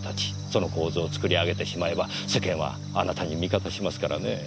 その構図を作り上げてしまえば世間はあなたに味方しますからねぇ。